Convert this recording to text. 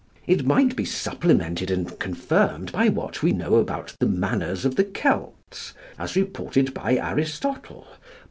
It might be supplemented and confirmed by what we know about the manners of the Kelts, as reported by Aristotle (Pol.